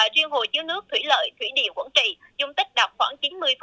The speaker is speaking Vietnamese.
chuyên hồi chứa nước thủy lợi thủy địa quảng trị dung tích đạt khoảng chín mươi